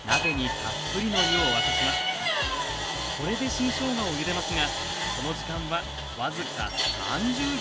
これで新しょうがをゆでますがその時間は僅か３０秒！